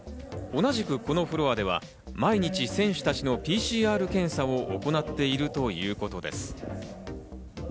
同じくこのフロアでは毎日選手たちのＰＣＲ検査を行っているということです。